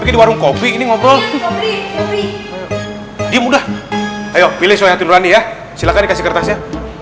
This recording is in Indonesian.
di warung kopi ini ngobrol di mudah ayo pilih suatu ngerani ya silakan kasih kertasnya